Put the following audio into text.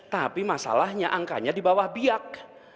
tapi masalahnya angkanya di bawah biak